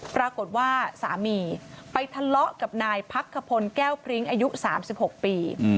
ปรากฏว่าสามีไปทะเลาะกับนายพักขพลแก้วพริ้งอายุ๓๖ปี